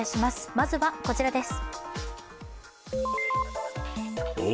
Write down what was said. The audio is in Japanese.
まずはこちらです。